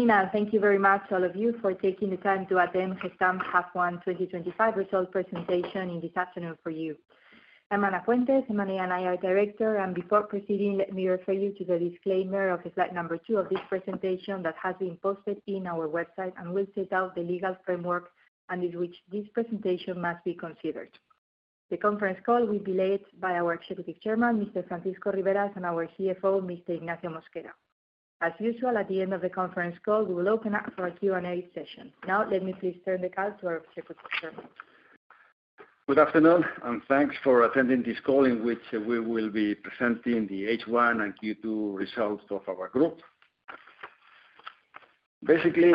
Good evening and thank you very much all of you for taking the time to attend Gestamp Automoción Half 1 2025 results presentation this afternoon for you. I'm Ana Fuentes, I'm an AI and IR Director, and before proceeding let me refer you to the disclaimer of slide number two of this presentation that has been posted on our website and will set out the legal framework under which this presentation must be considered. The conference call will be led by our Executive Chairman, Mr. Francisco Riberas, and our CFO, Mr. Ignacio Mosquera. As usual, at the end of the conference call we will open up for a Q&A session. Now let me please turn the call to our Secretary. Good afternoon and thanks for attending this call in which we will be presenting the H1 and Q2 results of our group. Basically,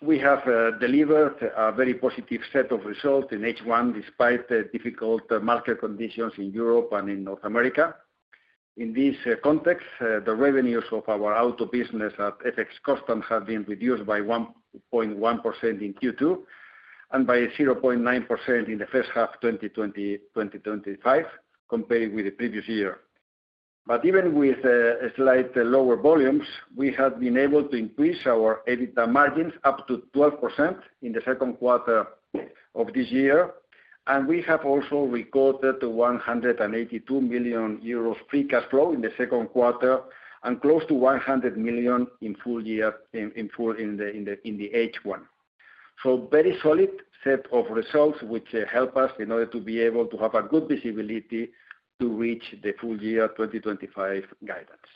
we have delivered a very positive set of results in H1 despite the difficult market conditions in Europe and in North America. In this context, the revenues of our auto business at FX Custom have been reduced by 1.1% in Q2 and by 0.9% in the first half 2025 compared with the previous year. Even with slightly lower volumes, we have been able to increase our EBITDA margins up to 12% in the second quarter of this year. We have also recorded 182 million euros free cash flow in the second quarter and close to 100 million in H1. Very solid set of results which help us in order to be able to have a good visibility to reach the full year 2025 guidance.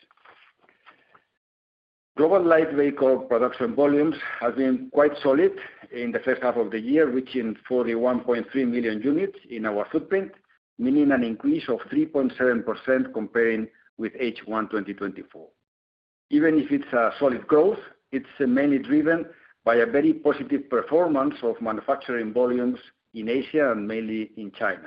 Global Light Vehicle production volumes have been quite solid in the first half of the year, reaching 41.3 million units in our footprint, meaning an increase of 3.7% compared with H1 2024. Even if it's a solid growth, it's mainly driven by a very positive performance of manufacturing volumes in Asia and mainly in China.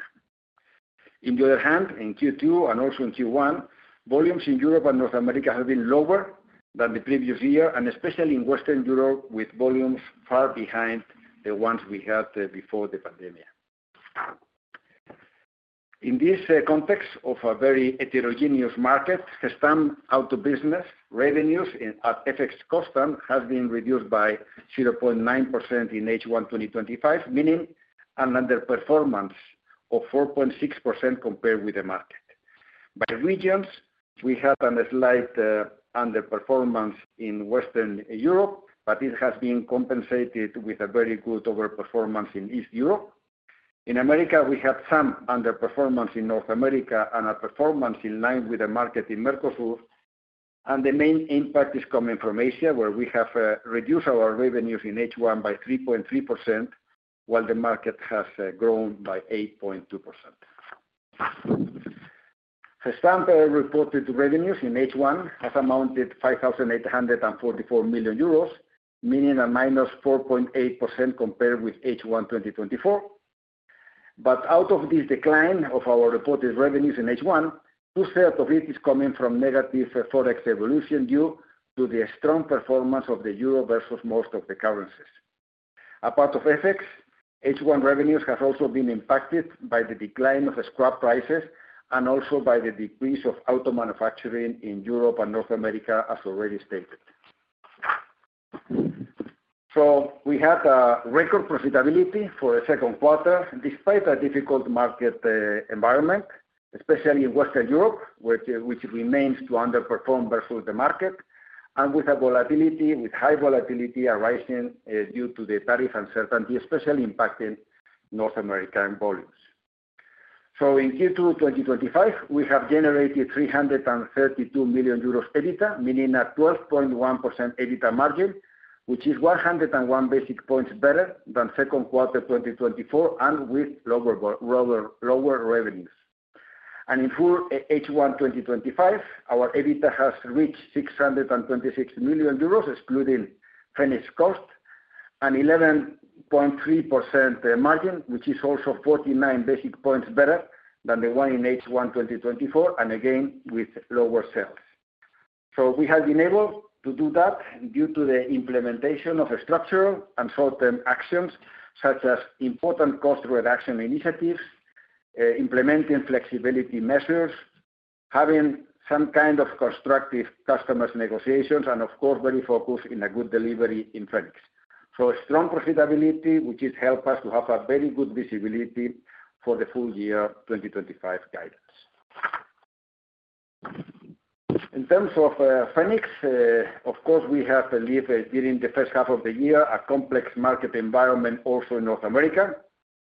On the other hand, in Q2 and also in Q1, volumes in Europe and North America have been lower than the previous year and especially in Western Europe, with volumes far behind the ones we had before the pandemic. In this context of a very heterogeneous market, stand out of business. Revenues at FX Custom have been reduced by 0.9% in H1 2025, meaning an underperformance of 4.6% compared with the market by regions. We had a slight underperformance in Western Europe, but it has been compensated with a very good overperformance in Eastern Europe. In America we had some underperformance in North America and a performance in line with the market in Mercosur. The main impact is coming from Asia where we have reduced our revenues in H1 by 3.3% while the market has grown by 8.2%. Gestamp reported revenues in H1 have amounted to 5,844 million euros, meaning a -4.8% compared with H1 2024. Out of this decline of our reported revenues in H1, 2/3 of it is coming from negative forex evolution due to the strong performance of the euro versus most of the currencies apart from FX. H1 revenues have also been impacted by the decline of scrap prices and also by the decrease of auto manufacturing in Europe and North America as already stated. We had record profitability for the second quarter despite a difficult market environment, especially in Western Europe, which remains to underperform versus the market and with high volatility arising due to the tariff uncertainty, especially impacting North American volumes. In Q2 2025 we have generated 332 million euros EBITDA, meaning a 12.1% EBITDA margin, which is 101 basis points better than second quarter 2024, and with lower revenues. In full H1 2025 our EBITDA has reached 626 million euros excluding finished cost, an 11.3% margin which is also 49 basis points better than the one in H1 2024 and again with lower sales. We have been able to do that due to the implementation of structural and short-term actions such as important cost reduction initiatives, implementing flexibility measures, having some kind of constructive customer negotiations, and of course very focused in a good delivery in FX. Strong profitability has helped us to have a very good visibility for the full year 2025 guidance in terms of Fenix. Of course, we have lived during the first half of the year a complex market environment also in North America,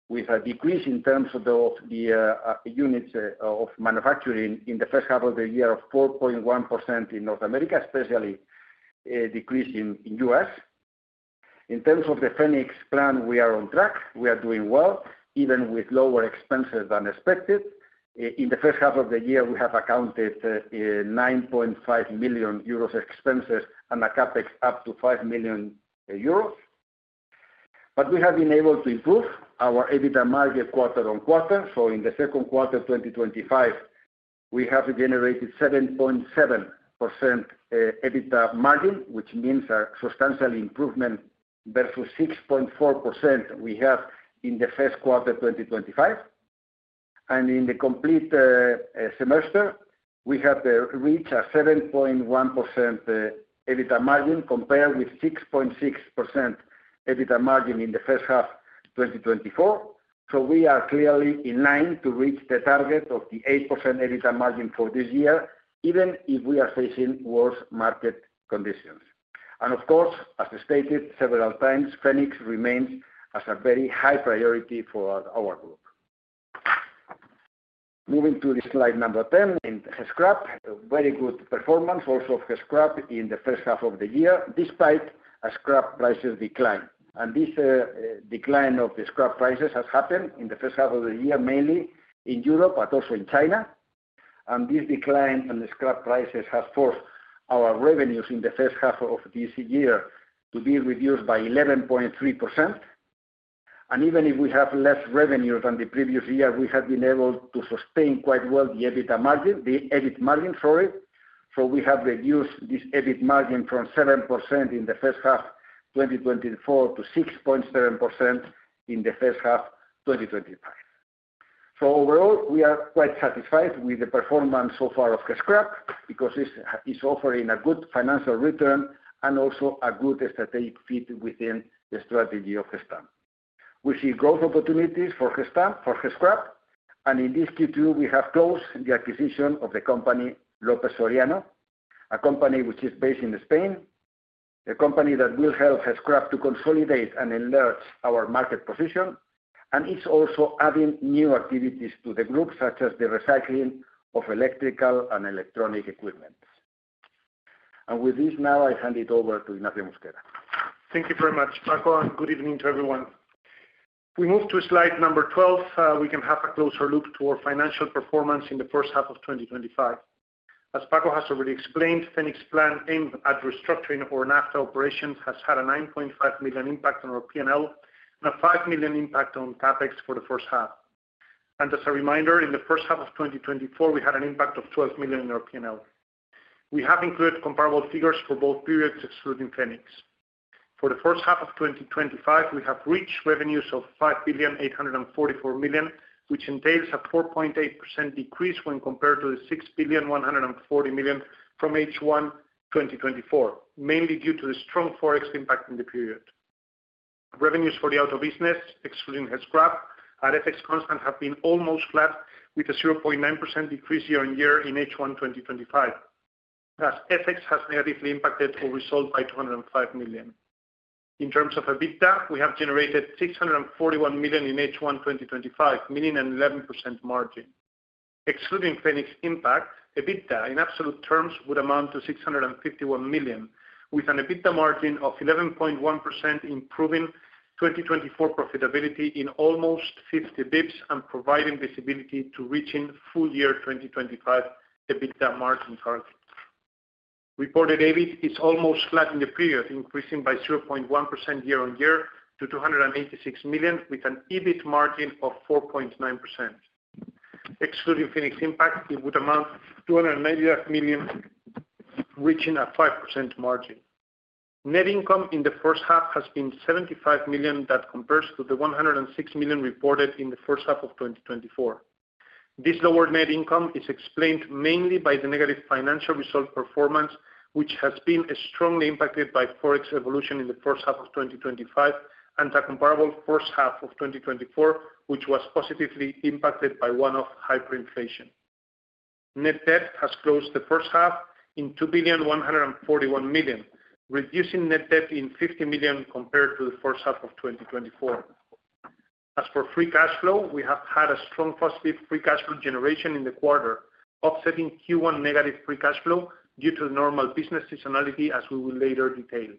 with a decrease in terms of the units of manufacturing in the first half of the year of 4.1% in North America, especially decreasing in U.S. In terms of the Phoenix Plan, we are on track, we are doing well, even with lower expenses than expected. In the first half of the year we have accounted 9.5 million euros expenses and a CapEx up to 5 million euros. We have been able to improve our EBITDA margin quarter-on-quarter. In the second quarter 2025 we have generated 7.7% EBITDA margin which means a substantial improvement versus 6.4% we have in the first quarter 2025, and in the complete semester, we have reached a 7.1% EBITDA margin, compared with 6.6% EBITDA margin in the first half 2024. We are clearly in line to reach the target of the 8% EBITDA margin for this year, even if we are facing worse market conditions. Of course, as stated several times, Phoenix remains as a very high priority for our group. Moving to slide number 10 in scrap. Very good performance also of scrap in the first half of the year, despite a scrap prices decline. This decline of the scrap prices has happened in the first half of the year, mainly in Europe, but also in China. This decline in the scrap prices has forced our revenues in the first half of this year to be reduced by 11.3%. Even if we have less revenue than the previous year, we have been able to sustain quite well the EBITDA margin, the EBIT margin. We have reduced this EBIT margin from 7% in the first half 2024 to 6.7% in the first half 2025. Overall, we are quite satisfied with the performance so far of scrap, because this is offering a good financial return and also a good strategic fit. Within the strategy of Gestamp, we see growth opportunities for scrap. In this Q2, we have closed the acquisition of the company López Soriano, a company which is based in Spain, a company that will help scrap to consolidate and enlarge our market position. It's also adding new activities to the group, such as the recycling of electrical and electronic equipment. With this, now I hand it over to Ignacio Mosquera. Thank you very much, Paco, and good evening to everyone. We move to slide number 12. We can have a closer look to our financial performance in the first half of 2025. As Paco has already explained, Phoenix Plan aimed at restructuring our NAFTA operations has had a 9.5 million impact on our P&L and a 5 million impact on CapEx for the first half. As a reminder, in the first half of 2024, we had an impact of 12 million in our P&L. We have included comparable figures for both periods, excluding Phoenix. For the first half of 2025, we have reached revenues of 5,844 million, which entails a 4.8% decrease when compared to the 6,140 million from H1 2024, mainly due to the strong forex impact in the period. Revenues for the auto business, excluding Gestamp at FX constant, have been almost flat with a 0.9% decrease year on year in H1 2025. Thus, FX has negatively impacted our results by 205 million. In terms of EBITDA, we have generated 641 million in H1 2025, meaning an 11% margin excluding Phoenix impact. EBITDA in absolute terms would amount to 651 million with an EBITDA margin of 11.1%, improving 2024 profitability in almost 50 bps and providing visibility to reaching full year 2025 EBITDA margin target. Reported EBIT is almost flat in the period, increasing by 0.1% year-on-year to 286 million with an EBIT margin of 4.9%. Excluding Phoenix impact, it would amount to 295 million, reaching a 5% margin. Net income in the first half has been 75 million, that compares to the 106 million reported in the first half of 2024. This lower net income is explained mainly by the negative financial result performance, which has been strongly impacted by forex evolution in the first half of 2025 and a comparable first half of 2024 which was positively impacted by one-off hyperinflation. Net debt has closed the first half in 2,141 million, reducing net debt by 50 million compared to the first half of 2024. As for free cash flow, we have had a strong positive free cash flow generation in the quarter, offsetting Q1 negative free cash flow due to normal business seasonality. As we will later detail,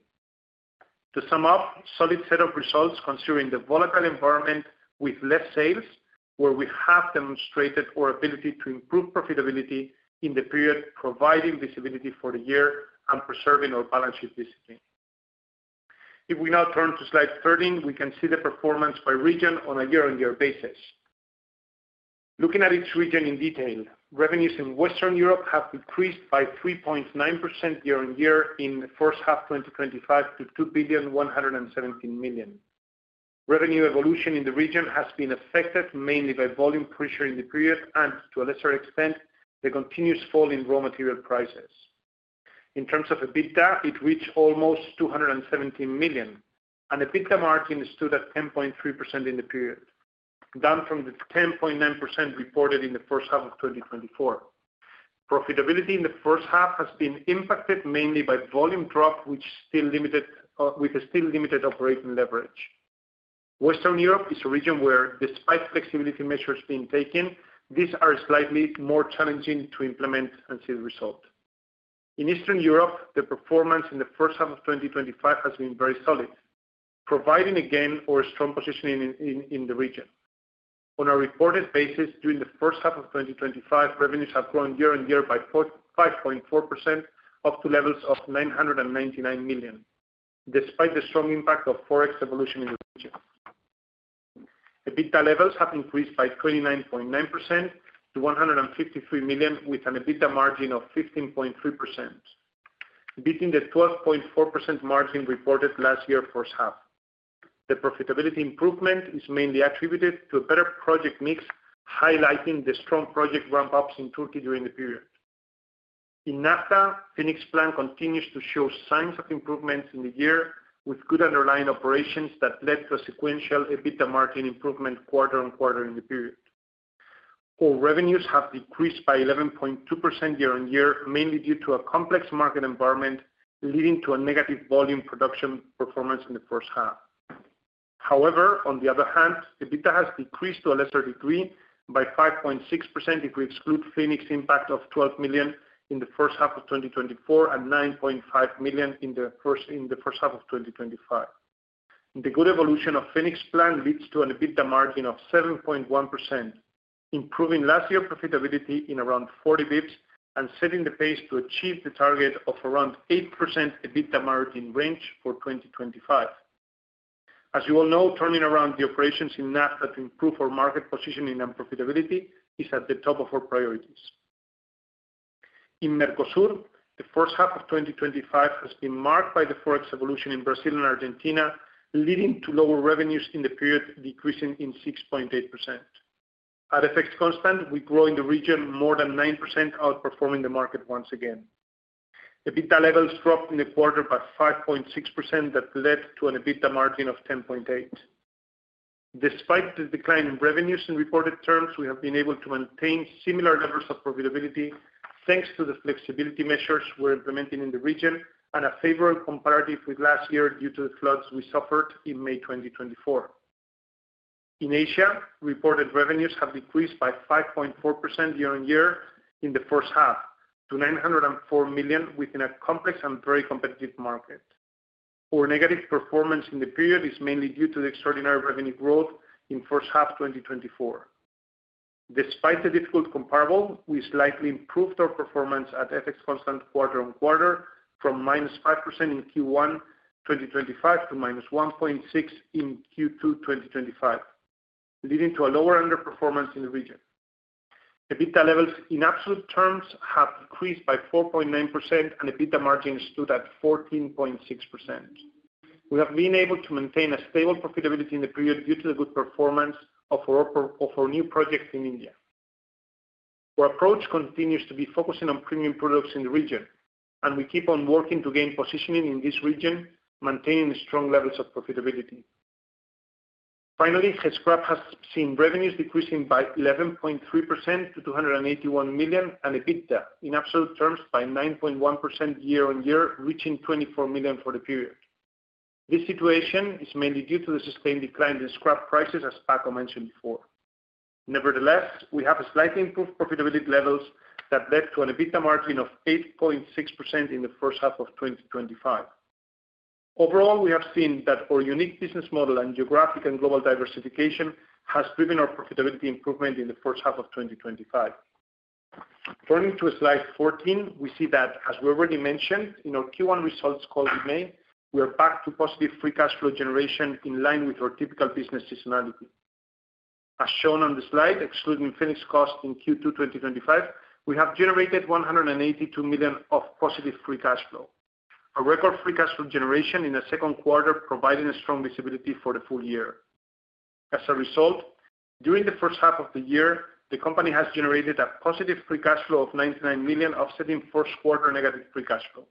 to sum up, solid set of results considering the volatile environment with less sales where we have demonstrated our ability to improve profitability in the period, providing visibility for the year and preserving our balance sheet discipline. If we now turn to slide 13, we can see the performance by region on a year on year basis. Looking at each region in detail, revenues in Western Europe have decreased by 3.9% year-on-year in the first half 2025 to 2,117,000,000. Revenue evolution in the region has been affected mainly by volume pressure in the period and to a lesser extent the continuous fall in raw material prices. In terms of EBITDA, it reached almost 217 million and EBITDA margin stood at 10.3% in the period, down from the 10.9% reported in the first half of 2024. Profitability in the first half has been impacted mainly by volume drop with still limited operating leverage. Western Europe is a region where, despite flexibility measures being taken, these are slightly more challenging to implement and see the result. In Eastern Europe, the performance in the first half of 2025 has been very solid, providing again our strong positioning in the region. On a reported basis during the first half of 2025, revenues have grown year-on-year by 5.4% up to levels of 999 million. Despite the strong impact of forex evolution in the region, EBITDA levels have increased by 29.9% to 153 million with an EBITDA margin of 15.3%, beating the 12.4% margin reported last year. First half the profitability improvement is mainly attributed to a better project mix, highlighting the strong project ramp ups in Turkey during the period. In NAFTA, Phoenix Plan continues to show signs of improvements in the year with good underlying operations that led to a sequential EBITDA margin improvement. Quarter on quarter in the period, core revenues have decreased by 11.2% year-on-year, mainly due to a complex market environment leading to a negative volume production performance in the first half. However, on the other hand, EBITDA has decreased to a lesser degree by 5.6%. If we exclude Phoenix impact of 12 million in the first half of 2024 and 9.5 million in the first half of 2025, the good evolution of Phoenix Plan leads to an EBITDA margin of 7.1%, improving last year profitability in around 40 bps and setting the pace to achieve the target of around 8% EBITDA margin range for 2025. As you all know, turning around the operations in NAFTA to improve our market positioning and profitability is at the top of our priorities. In Mercosur, the first half of 2025 has been marked by the forex evolution in Brazil and Argentina leading to lower revenues in the period, decreasing by 6.8%. At FX constant, we grow in the region more than 9%, outperforming the market once again. EBITDA levels dropped in the quarter by 5.6% that led to an EBITDA margin of 10.8%. Despite the decline in revenues in reported terms, we have been able to maintain similar levels of profitability thanks to the flexibility measures we're implementing in the region and a favorable comparative with last year due to the floods we suffered in May 2024. In Asia, reported revenues have decreased by 5.4% year-on-year in the first half to 904 million within a complex and very competitive market. Our negative performance in the period is mainly due to the extraordinary revenue growth in first half 2024. Despite the difficult comparable, we slightly improved our performance at FX constant quarter-on-quarter from -5% in Q1 2025 to -1.6% in Q2 2025, leading to a lower underperformance in the region. EBITDA levels in absolute terms have decreased by 4.9% and EBITDA margin stood at 14.6%. We have been able to maintain a stable profitability in the period due to the good performance of our new project in India. Our approach continues to be focusing on premium products in the region and we keep on working to gain positioning in this region, maintaining strong levels of profitability. Finally, Headscrap has seen revenues decreasing by 11.3% to 281 million and EBITDA in absolute terms by 9.1% year-on-year, reaching 24 million for the period. This situation is mainly due to the sustained decline in scrap prices as Paco mentioned before. Nevertheless, we have slightly improved profitability levels that led to an EBITDA margin of 8.6% in the first half of 2025. Overall, we have seen that our unique business model and geographic and global diversification has driven our profitability improvement in the first half of 2025. Turning to Slide 14, we see that as we already mentioned in our Q1 results call in May, we are back to positive free cash flow generation in line with our typical business seasonality as shown on the slide. Excluding finished costs in Q2 2025, we have generated 182 million of positive free cash flow, a record free cash flow generation in the second quarter, providing a strong visibility for the full year. As a result, during the first half of the year the company has generated a positive free cash flow of 99 million, offsetting first quarter negative free cash flow.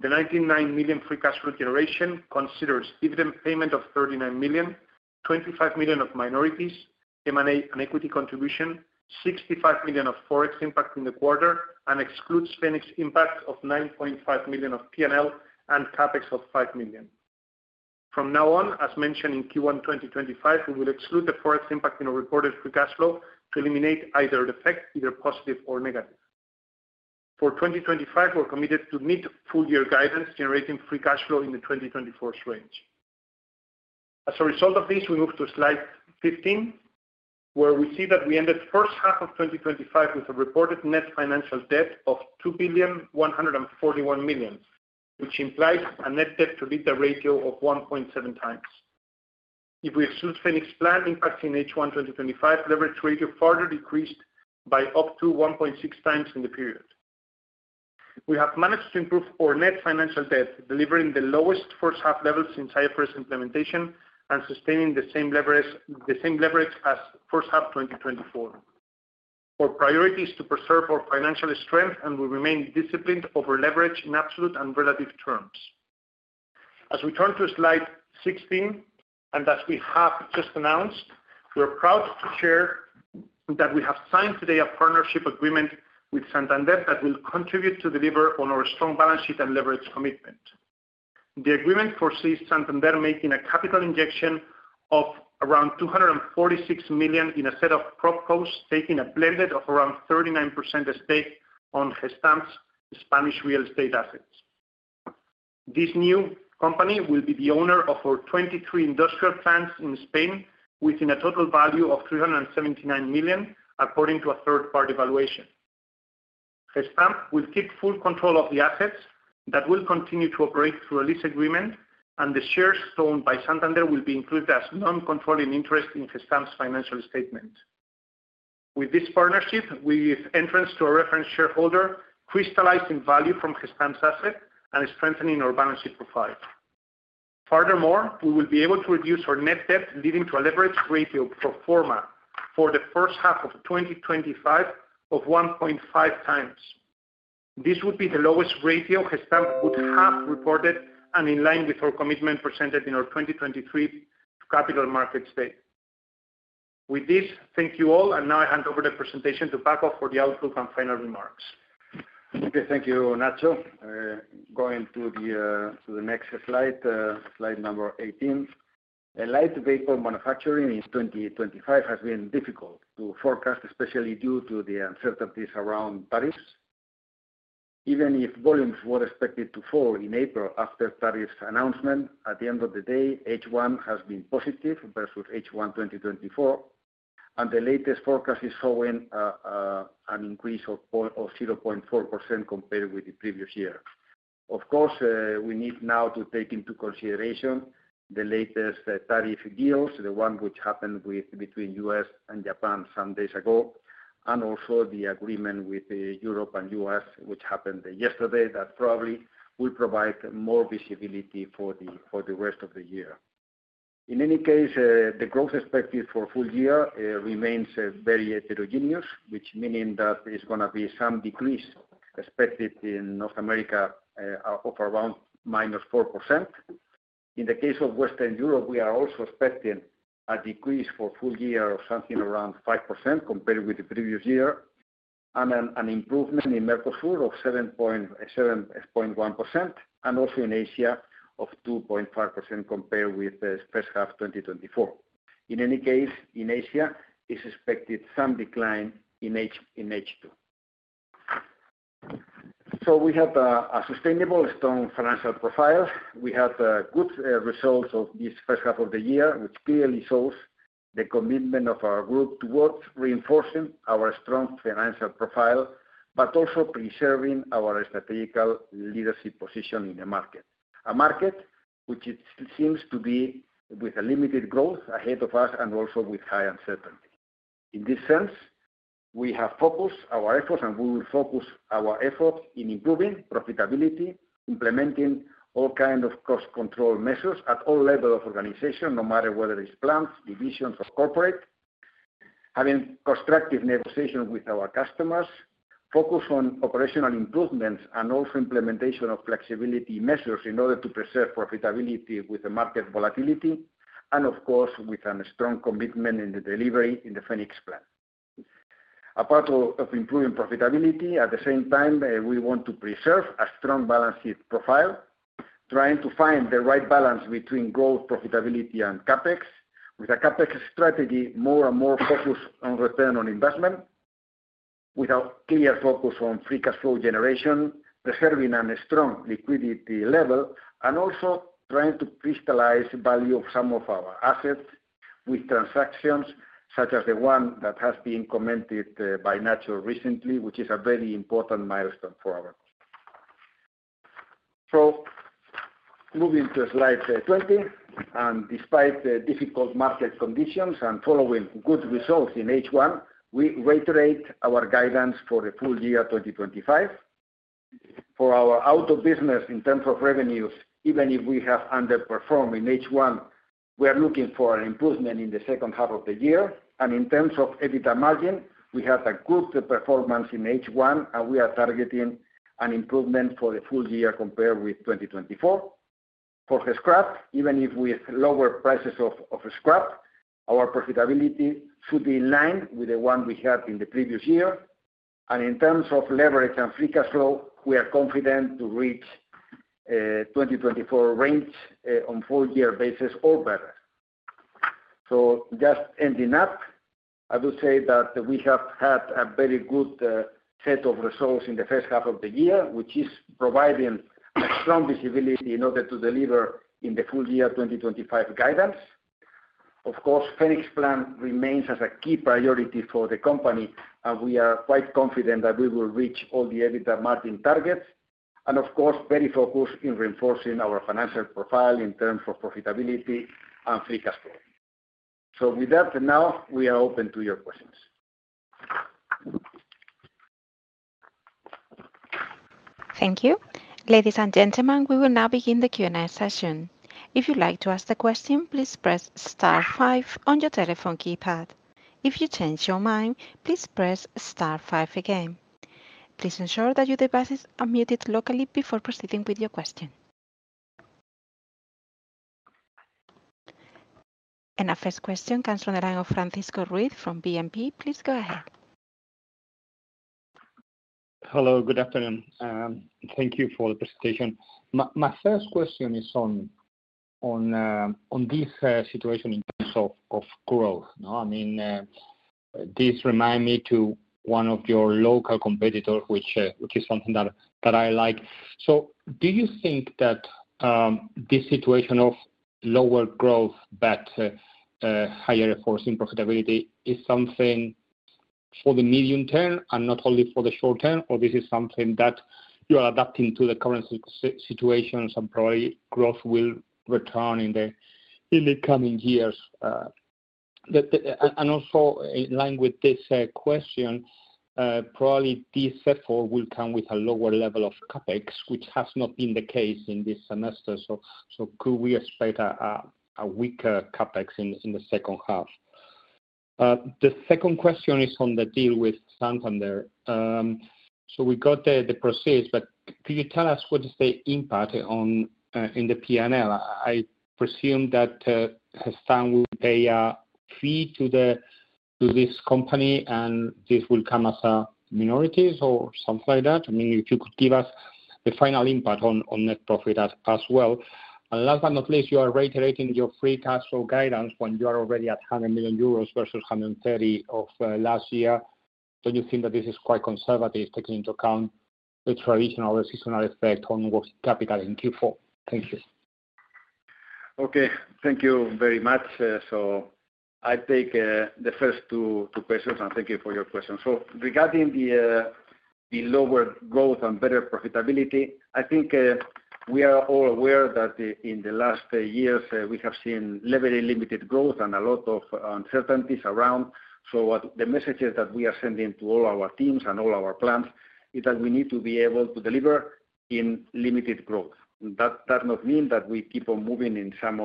The 99 million free cash flow generation considers dividend payment of 39 million, 25 million of minorities, M&A and equity contribution, 65 million of forex impact in the quarter, and excludes Phoenix Plan's impact of 9.5 million of P&L and CapEx of 5 million. From now on, as mentioned in Q1 2025, we will exclude the forex impact in our reported free cash flow to eliminate the effect, either positive or negative. For 2025, we're committed to meet full year guidance generating free cash flow in the 2024 range. As a result of this, we move to slide 15 where we see that we ended first half of 2025 with a reported net financial debt of 2,141,000,000, which implies a net debt/EBITDA ratio of 1.7x. If we exclude Phoenix Plan impacts in H1 2025, leverage ratio further decreased by up to 1.6x in the period. We have managed to improve our net financial debt, delivering the lowest first half levels since IFRS implementation and sustaining the same leverage as first half 2024. Our priority is to preserve our financial strength and we remain disciplined over leverage in absolute and relative terms as we turn to slide 16. As we have just announced, we're proud to share that we have signed today a partnership agreement with Banco Santander that will contribute to deliver on our strong balance sheet and leverage commitment. The agreement foresees Banco Santander making a capital injection of around 246 million in a set of proposals, taking a blended of around 39% stake on Gestamp Automoción's Spanish real estate assets. This new company will be the owner of our 23 industrial plants in Spain with a total value of 379 million according to a third party valuation. Will. Keep full control of the assets that will continue to operate through a lease agreement, and the shares owned by Banco Santander will be included as non-controlling interest in Gestamp Automoción's financial statement. With this partnership, with entrance to a reference shareholder crystallizing value from Gestamp Automoción's asset and strengthening our balance sheet profile, furthermore, we will be able to reduce our net debt leading to a leverage ratio pro forma for the first half of 2025 of 1.5x. This would be the lowest ratio Gestamp Automoción would have reported and in line with our commitment presented in our 2023 Capital Markets Day. With this, thank you all, and now I hand over the presentation to Paco for the outlook and final remarks. Okay, thank you Ignacio. Going to the next slide, slide number 18. Light vehicle manufacturing in 2025 has been difficult to forecast, especially due to the uncertainties around tariffs. Even if volumes were expected to fall in April after tariffs announcement, at the end of the day H1 has been positive versus H1 2024 and the latest forecast is showing an increase of 0.4% compared with the previous year. Of course, we need now to take into consideration the latest tariff deals, the one which happened between U.S. and Japan some days ago and also the agreement with Europe and U.S. which happened yesterday that probably will provide more visibility for the rest of the year. In any case, the growth expected for full year remains very heterogeneous, which means that it's going to be some decrease expected in North America of around -4%. In the case of Western Europe, we are also expecting a decrease for full year of something around 5% compared with the previous year and an improvement in Mercosur of 7.1% and also in Asia of 2.5% compared with the first half 2024. In any case, in Asia it's expected some decline in H2. We have a sustainable strong financial profile. We had good results of this first half of the year which clearly shows the commitment of our group towards reinforcing our strong financial profile but also preserving our strategic leadership position in the market, a market which seems to be with a limited growth ahead of us and also with high uncertainty. In this sense, we have focused our efforts and we will focus our efforts in improving profitability, implementing all kinds of cost control measures at all levels of organization no matter whether it's plants, divisions or corporate, having constructive negotiations with our customers, focus on operational improvements and also implementation of flexibility measures in order to preserve profitability with the market volatility and of course with a strong commitment in the delivery in the Phoenix Plan apart of improving profitability. At the same time, we want to preserve a strong balance sheet profile, trying to find the right balance between growth, profitability, and CapEx, with a CapEx strategy more and more focused on return on investment, with a clear focus on free cash flow generation, preserving a strong liquidity level, and also trying to crystallize the value of some of our assets with transactions such as the one that has been commented by Ignacio recently, which is a very important milestone for our company. Moving to slide 20, despite the difficult market conditions and following good results in H1, we reiterate our guidance for the full year 2025 for our auto business in terms of revenues. Even if we have underperformed in H1, we are looking for an improvement in the second half of the year, and in terms of EBITDA margin, we have a good performance in H1 and we are targeting an improvement for the full year compared with 2024 for scrap. Even if we have lower prices of scrap, our profitability should be in line with the one we had in the previous year, and in terms of leverage and free cash flow, we are confident to reach 2024 range on full year basis or better. I would say that we have had a very good set of results in the first half of the year, which is providing strong visibility in order to deliver in the full year 2025 guidance. Of course, Phoenix Plan remains as a key priority for the company, and we are quite confident that we will reach all the EBITDA margin targets and, of course, very focused in reinforcing our financial profile in terms of profitability and free cash flow. With that, now we are open to your questions. Thank you, ladies and gentlemen. We will now begin the Q and A session. If you'd like to ask a question, please press star five on your telephone keypad. If you change your mind, please press star five again. Please ensure that your device is unmuted locally before proceeding with your question. Our first question comes from the line of Francisco Ruiz from BNP. Please go ahead. Hello, good afternoon. Thank you for the presentation. My first question is on this situation in terms of growth. I mean this reminds me to one of your local competitors, which is something that I like. Do you think that this situation of lower growth but higher forcing profitability is something for the medium term and not only for the short term, or this is something that you are adapting to the current situations and probably growth will return in the coming years? Also, in line with this question, probably this effort will come with a lower level of CapEx, which has not been the case in this semester. Could we expect a weaker CapEx in the second half? The second question is on the deal with Banco Santander. We got the proceeds, but could you tell us what is the impact in the P&L? I presume that Gestamp Automoción will pay a fee to this company and this will come as a minorities or something like that. If you could give us the final impact on net profit as well. Last but not least, you are reiterating your free cash flow guidance when. You are already at 100 million euros versus. 130 of last year. Don't you think that this is quite conservative taking into account the traditional seasonality effect on working capital in Q4? Thank you. Okay, thank you very much. I take the first two questions and thank you for your question. Regarding the lower growth and better profitability, I think we are all aware that in the last years we have seen very limited growth and a lot of uncertainties around. The messages that we are sending to all our teams and all our plants is that we need to be able to deliver in limited growth. That does not mean that we keep on moving in some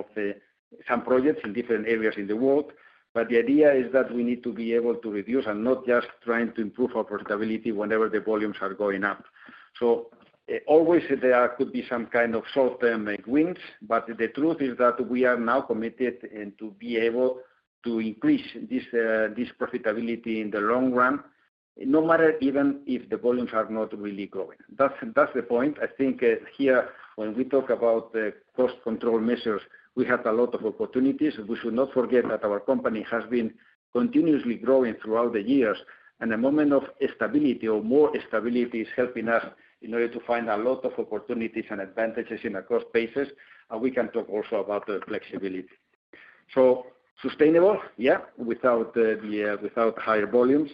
projects in different areas in the world. The idea is that we need to be able to reduce and not just trying to improve our profitability whenever the volumes are going up. Always there could be some kind of short term wins. The truth is that we are now committed to be able to increase this profitability in the long run, no matter even if the volumes are not really growing. That's the point. I think here when we talk about the cost control measures, we have a lot of opportunities. We should not forget that our company has been continuously growing throughout the years and a moment of stability or more stability is helping us in order to find a lot of opportunities and advantages in a cost basis. We can talk also about flexibility. Sustainable, yeah, without higher volumes.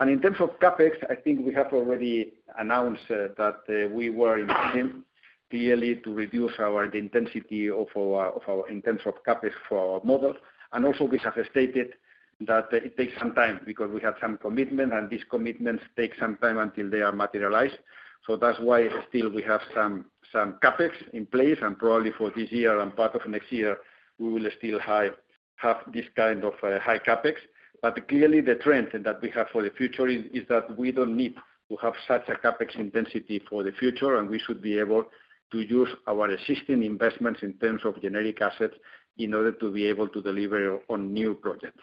In terms of CapEx, I think we have already announced that we were in clearly to reduce the intensity in terms of CapEx for our model. We have stated that it takes some time because we have some commitment and these commitments take some time until they are materialized. That's why still we have some CapEx in place. Probably for this year and part of next year, we will still have this kind of high CapEx. Clearly the trend that we have for the future is that we don't need to have such a CapEx intensity for the future. We should be able to use our existing investments in terms of generic assets in order to be able to deliver on new projects.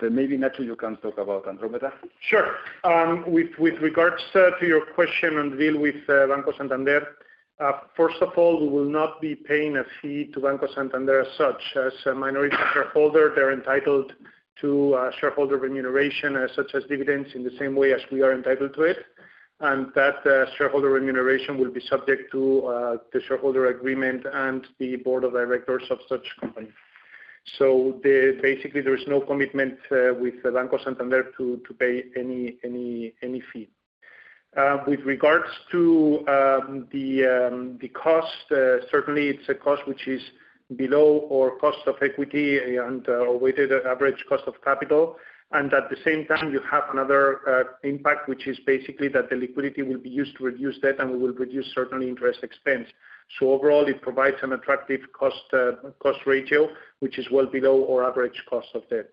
Maybe Ignacio, you can talk about Andromeda. Sure. With regards to your question and deal with Banco Santander, first of all, we will not be paying a fee to Banco Santander as such. As minorities holder, they're entitled to shareholder remuneration, such as dividends, in the same way as we are entitled to it. That shareholder remuneration will be subject to the shareholder agreement and the Board of Directors of such company. Basically, there is no commitment with Banco Santander to pay any fee with regards to the cost. Certainly, it's a cost which is below our cost of equity and weighted average cost of capital. At the same time, you have another impact, which is basically that the liquidity will be used to reduce debt and will reduce certain interest expense. Overall, it provides an attractive cost ratio which is well below our average cost of debt.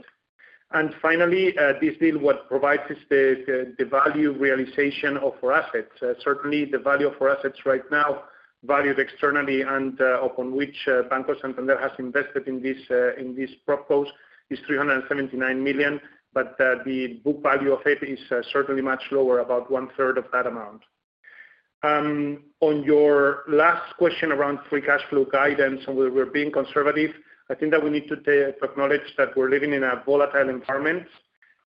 Finally, this deal provides the value realization of our assets. Certainly, the value of our assets right now valued externally and upon which Banco Santander has invested in this proposal is 379 million. The book value of it is certainly much lower, about one third of that amount. On your last question around free cash flow guidance, and we're being conservative, I think that we need to acknowledge that we're living in a volatile environment.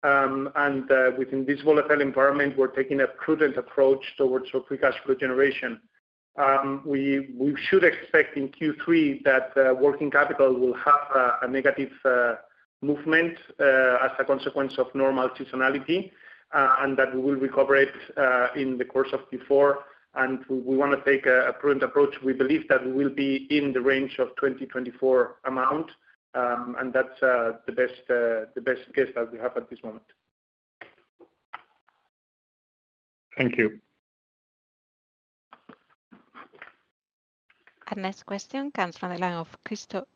Within this volatile environment, we're taking a prudent approach towards free cash flow generation. We should expect in Q3 that working capital will have a negative movement as a consequence of normal seasonality and that we will recover it in the course of Q4. We want to take a prudent approach. We believe that we will be in the range of 2024 amount and that's the best guess that we have at this moment. Thank you. Our next question comes from the line of Christoph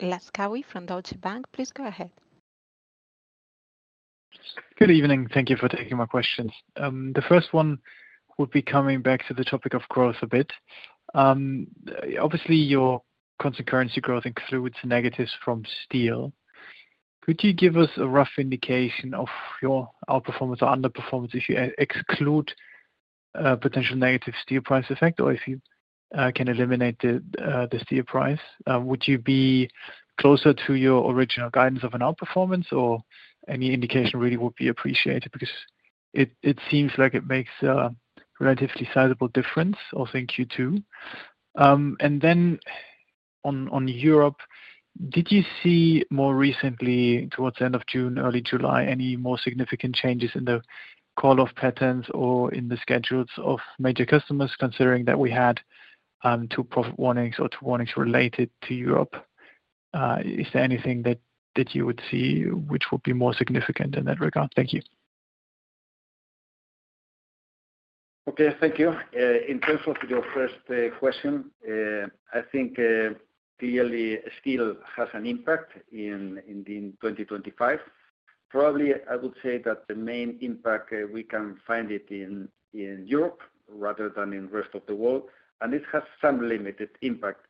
Laskawi from Deutsche Bank. Please go ahead. Good evening. Thank you for taking my questions. The first one would be coming back to the topic of growth a bit. Obviously your constant currency growth includes negatives from steel. Could you give us a rough indication of your outperformance or underperformance? If you exclude potential negative steel price effect or if you can eliminate the steel price, would you be closer to your original guidance of an outperformance or any indication really would be appreciated because it seems like it makes relatively sizable difference. Also in Q2 and then on Europe, did you see more recently towards the end of June, early July, any more significant changes in the call off patterns or in the schedules of major customers? Considering that we had two profit warnings or two warnings related to Europe, is there anything that you would see which would be more significant in that regard? Thank you. Okay, thank you. In terms of your first question, I think clearly still has an impact in 2025. Probably I would say that the main impact we can find it in Europe rather than in rest of the world. It has some limited impact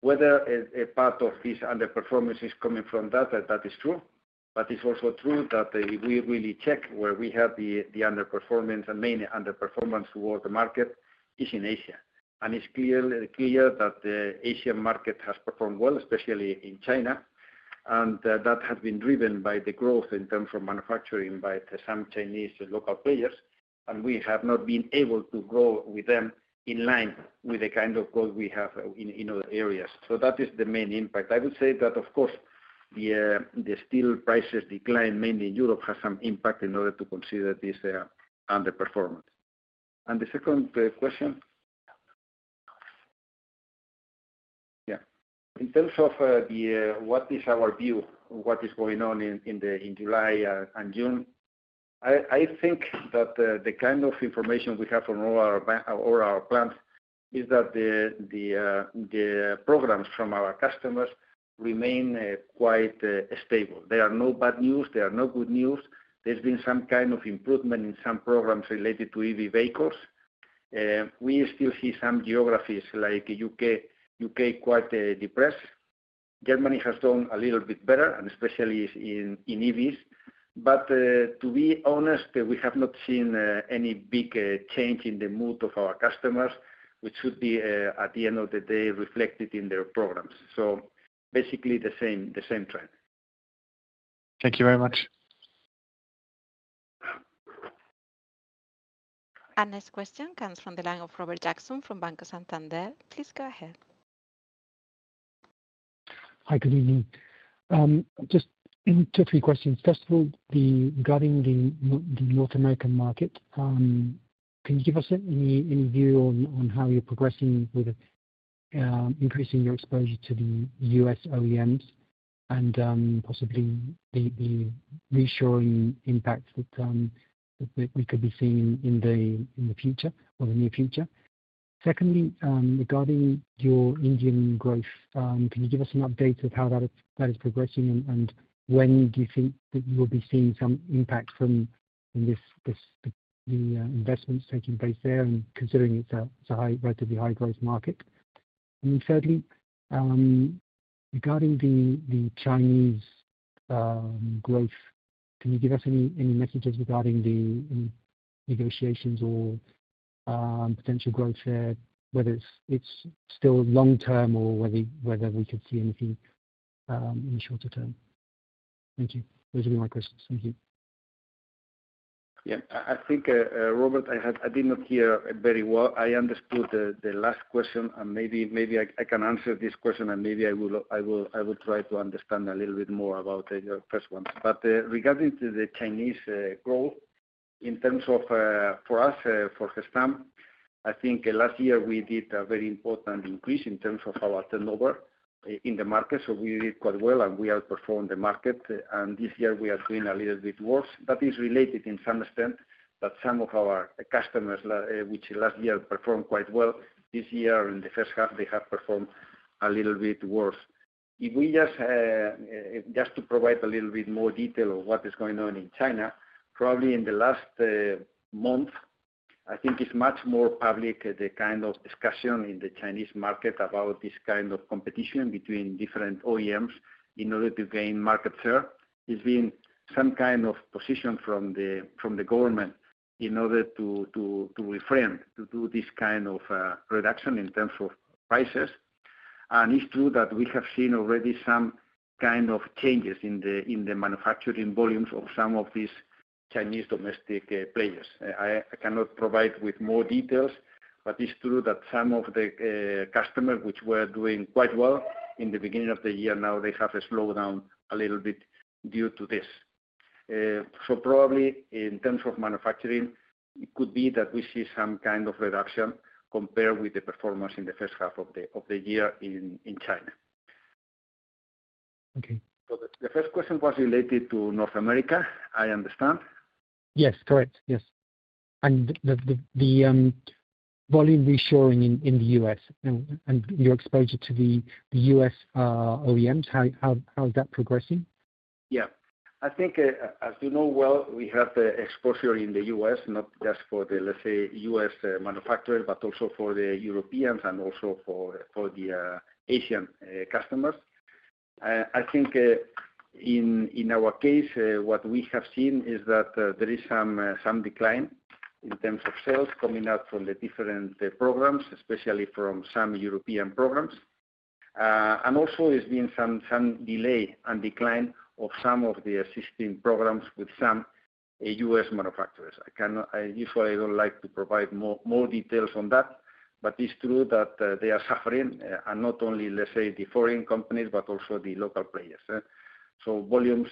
whether a part of this underperformance is coming from that. That is true, but it's also true that we really check where we have the underperformance. Main underperformance towards the market is in Asia. It's clear that the Asian market has performed well, especially in China. That has been driven by the growth in terms of manufacturing by some Chinese local players. We have not been able to grow with them in line with the kind of goal we have in other areas. That is the main impact. I would say that of course the steel prices decline mainly in Europe has some impact in order to consider this. The second question. In terms of what is our view, what is going on in July and June? I think that the kind of information we have from all our plants is that the programs from our customers remain quite stable. There are no bad news, there are no good news. There's been some kind of improvement in some programs related to EV vehicles. We still see some geographies like U.K. quite depressed. Germany has done a little bit better and especially in EVs, but to be honest, we have not seen any big change in the mood of our customers, which should be at the end of the day reflected in their programs. Basically the same trend. Thank you very much. Our next question comes from the line of Robert Jackson from Banco Santander. Please go ahead. Hi, good evening. Just two or three questions. First of all, regarding the North American market, can you give us any view on how you're progressing with increasing your exposure to the U.S. OEMs and possibly the reassuring impact that we could be seeing in the future or the near future? Secondly, regarding your Indian growth, can you give us some updates of how that is progressing and when do you think that you will be seeing some impact from the investments taking place there, considering it's a relatively high growth market? Thirdly, regarding the Chinese growth, can you give us any messages regarding the negotiations or potential growth there, whether it's still long term or whether we could see anything in the shorter term? Thank you. Those would be my questions. Thank you. Yeah, I think, Robert, I did not hear very well. I understood the last question and maybe I can answer this question and maybe I will try to understand a little bit more about your first one. Regarding the Chinese growth in terms of, for us, for Gestamp, I think last year we did a very important increase in terms of our turnover in the market. We did quite well and we outperformed the market. This year we are doing a little bit worse. That is related in some extent that some of our customers which last year performed quite well, this year in the first half, they have performed a little bit worse. Just to provide a little bit more detail of what is going on in China, probably in the last month, I think it's much more public, the kind of discussion in the Chinese market about this kind of competition between different OEMs in order to gain market share. There has been some kind of position from the government in order to reframe to do this kind of reduction in terms of prices. It's true that we have seen already some kind of changes in the manufacturing volumes of some of these Chinese domestic players. I cannot provide more details, but it's true that some of the customers which were doing quite well in the beginning of the year, now they have slowed down a little bit due to this. Probably in terms of manufacturing, it could be that we see some kind of reduction compared with the performance in the first half of the year in China. Okay. The first question was related to North America, I understand. Yes, correct. Yes. The volume reshoring in the U.S. and your exposure to the U.S. OEMs, how is that progressing? Yeah, I think, as you know, we have the exposure in the U.S. not just for the, let's say, U.S. manufacturers, but also for the Europeans and also for the Asian customers. I think in our case, what we have seen is that there is some decline in terms of sales coming out from the different programs, especially from some European programs. Also, there's been some delay and decline of some of the existing programs with some U.S. manufacturers. Usually I don't like to provide more details on that, but it's true that they are suffering and not only, let's say, the foreign companies, but also the local players. Volumes,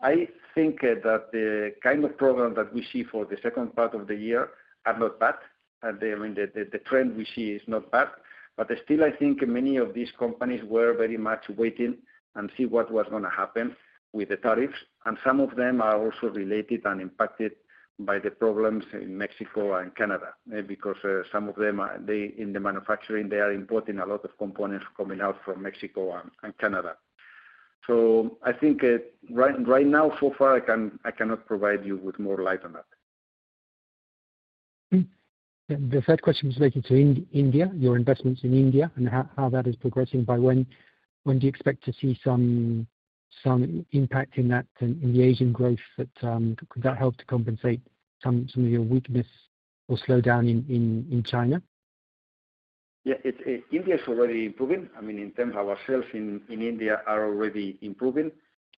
I think that the kind of program that we see for the second part of the year are not bad and the trend we see is not bad. Still, I think many of these companies were very much waiting and see what was going to happen with the tariffs. Some of them are also related and impacted by the problems in Mexico and Canada because some of them in the manufacturing, they are importing a lot of components coming out from Mexico and Canada. I think right now so far, I cannot provide you with more light on that. The third question is related to India, your investments in India and how that is progressing. By when do you expect to see some impact in that, in the Asian growth? Could that help to compensate some of your weakness or slowdown in China? Yeah, India is already improving. I mean, in terms of our sales in India are already improving.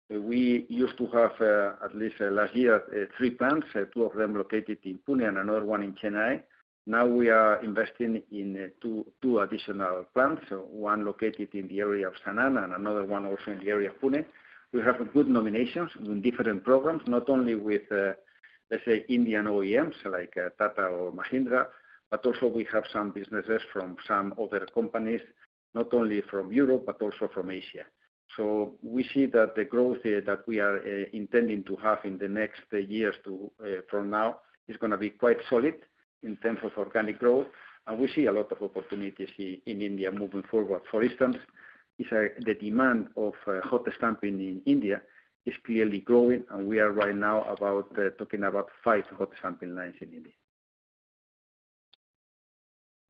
We used to have, at least last year, three plants, two of them located in Pune and another one in Chennai. Now we are investing in two additional plants, one located in the area of Sanaa and another one also in the area of Pune. We have good nominations in different programs, not only with, let's say, Indian OEMs like Tata or Mahindra, but also we have some businesses from some other companies, not only from Europe, but also from Asia. We see that the growth that we are intending to have in the next years from now is going to be quite solid in terms of organic growth. We see a lot of opportunities in India moving forward. For instance, the demand of hot stamping in India is clearly growing. We are right now talking about five hot stamping lines in India.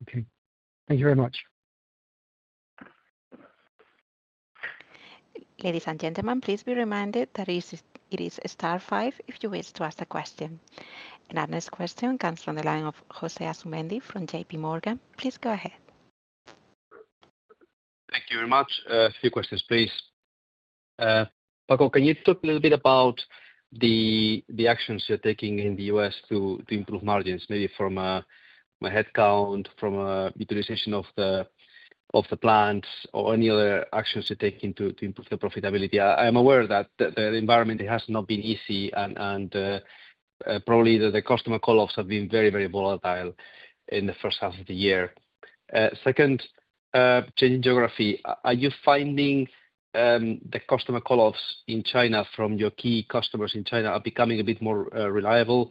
Okay, thank you very much. Ladies and gentlemen, please be reminded that it is star five if you wish to ask a question. Our next question comes from the line of José Asumendi from JPMorgan. Please go ahead. Thank you very much. A few questions, please. Paco, can you talk a little bit? About the actions you're taking in the U.S. to improve margins? Maybe from my headcount, from utilization of the plants, or any other actions you're taking to improve the profitability. I am aware that the environment has not been easy, and probably the customer call offs have been very, very volatile in the first half of the year. Second, change in geography. Are you finding the customer call offs in China from your key customers in China are becoming a bit more reliable?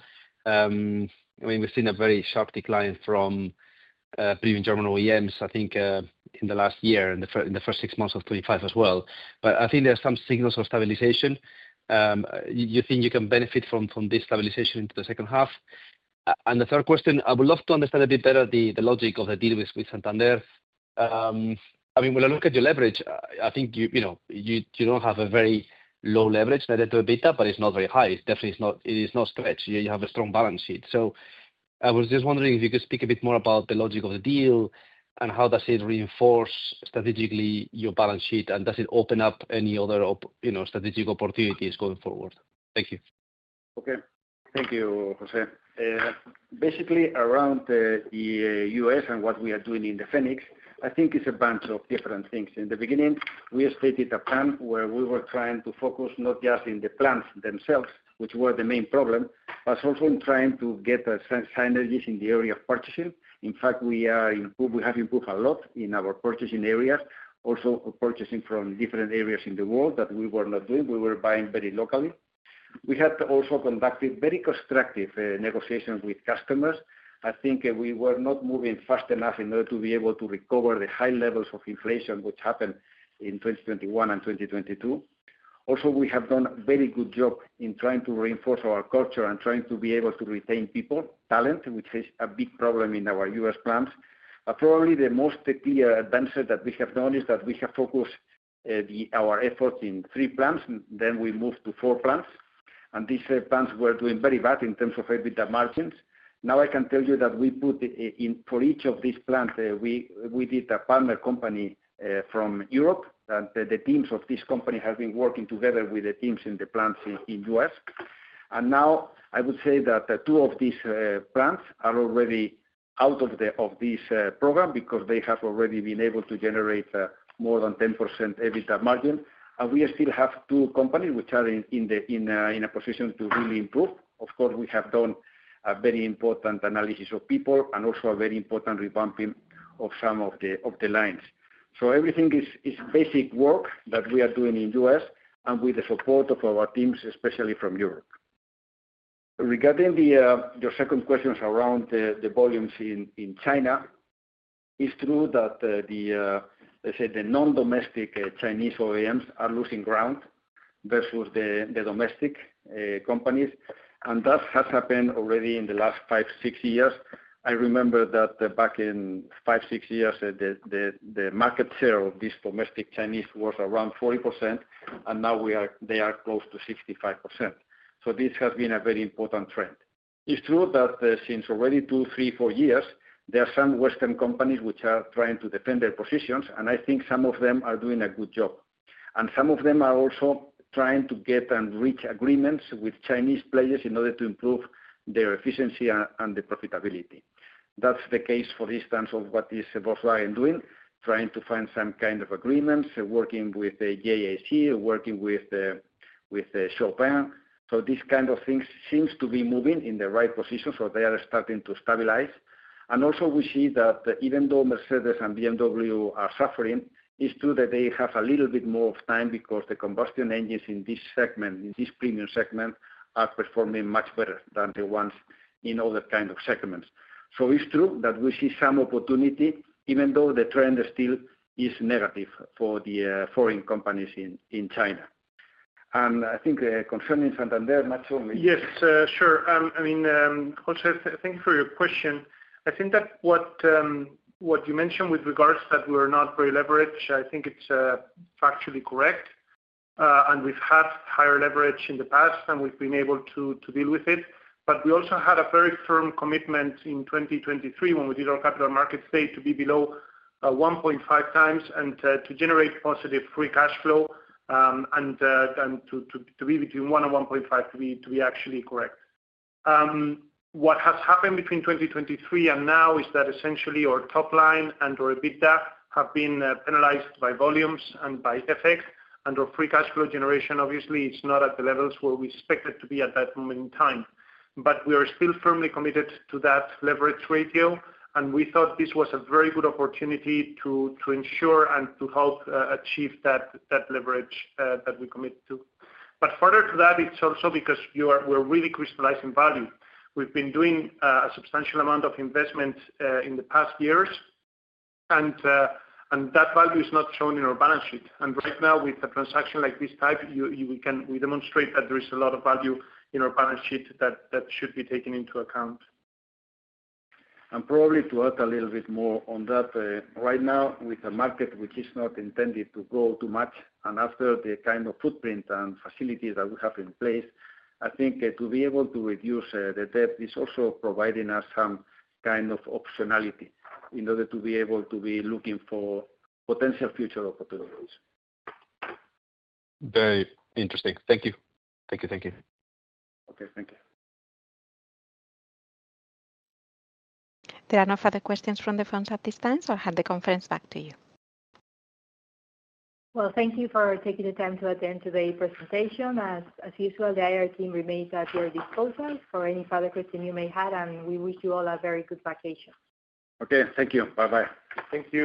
I mean, we've seen a very sharp decline from premium German OEMs, I think in the last year, in the first six months of 2025 as well. I think there are some signals of stabilization. Do you think you can benefit from this stabilization into the second half? The third question, I would love to understand a bit better the logic of the deal with Banco Santander. I mean, when I look at your. Leverage, I think you don't have a very low leverage net debt/EBITDA. It's not very high. Definitely, it is not stretched. You have a strong balance sheet. I was just wondering if you could speak a bit more about the logic of the deal and how does it reinforce strategically your balance sheet, and does it open up any other strategic opportunities going forward? Thank you. Okay, thank you, Jose. Basically around the U.S. and what we are doing in the Phoenix Plan, I think it's a bunch of different things. In the beginning we stated a plan where we were trying to focus not just in the plants themselves, which were the main problem, but also in trying to get synergies in the area of purchasing. In fact, we have improved a lot in our purchasing areas. Also purchasing from different areas in the world that we were not doing. We were buying very locally. We had also conducted very constructive negotiations with customers. I think we were not moving fast enough in order to be able to recover the high levels of inflation which happened in 2021 and 2022. Also, we have done a very good job in trying to reinforce our culture and trying to be able to retain people talent, which is a big problem in our U.S. plants. Probably the most clear advantage that we have done is that we have focused our efforts in three plants. We moved to four plants and these plants were doing very bad in terms of EBITDA margins. Now I can tell you that for each of these plants we did a partner company from Europe. The teams of this company have been working together with the teams in the plants in U.S. Now, I would say that two of these plants are already out of this program because they have already been able to generate more than 10% EBITDA margin. We still have two companies which are in a position to really improve. Of course, we have done a very important analysis of people and also a very important revamping of some of the lines. Everything is basic work that we are doing in U.S. and with the support of our teams, especially from Europe. Regarding your second question around the volumes in China, it's true that the non-domestic Chinese OEMs are losing ground versus the domestic companies and that has happened already in the last five, six years. I remember that back five, six years the market share of these domestic Chinese was around 40% and now they are close to 65%. This has been a very important trend. It's true that since already two, three, four years there are some Western companies which are trying to defend their positions and I think some of them are doing a good job and some of them are also trying to get and reach agreements with Chinese players in order to improve their efficiency and their profitability. That's the case, for instance, of what is López Soriano doing, trying to find some kind of agreements, working with the JAC, working with Chery. These kind of things seem to be moving in the right position. They are starting to stabilize. We see that even though Mercedes and BMW are suffering, it's true that they have a little bit more of time because the combustion engines in this segment, in this premium segment, are performing much better than the ones in other kind of segments. It's true that we see some opportunity even though the trend still is negative for the foreign companies in China. I think concerning Banco Santander, not to me. Yes, sure. I mean, Jose, thank you for your question. I think that what you mentioned with regards that we're not very leveraged, I think it's factually correct and we've had higher leverage in the past and we've been able to deal with it. We also had a very firm commitment in 2023 when we did our capital markets day to be below 1.5x and to generate positive free cash flow and to be between 1x-1.5x to be actually correct. What has happened between 2023 and now is that essentially our top line and our EBITDA have been penalized by volumes and by FX under free cash flow generation. Obviously, it's not at the levels where we expect it to be at that moment in time, but we are still firmly committed to that leverage ratio. We thought this was a very good opportunity to ensure and to help achieve that leverage that we commit to. Further to that, it's also because we're really crystallizing value. We've been doing a substantial amount of investment in the past years, and that value is not shown in our balance sheet. Right now, with a transaction like this type, we demonstrate that there is a lot of value in our balance sheet that should be taken into account. Probably to add a little bit more on that, right now with a market which is not intended to grow too much, and after the kind of footprint and facilities that we have in place, I think to be able to reduce the debt is also providing us some kind of optionality in order to be able to be looking for potential future opportunities. Very interesting. Thank you. Thank you. Thank you. Okay, thank you. There are no further questions from the phones at this time, so I'll hand the conference back to you. Thank you for taking the time to attend today's presentation. As usual, the IR team remains at your disposal for any further question you may have. We wish you all a very good vacation. Okay, thank you. Bye bye. Thank you.